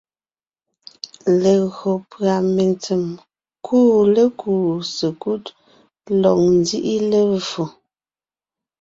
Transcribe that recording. Legÿo pʉ́a mentsèm kuʼu lékúu sekúd lɔg nzíʼi levfò,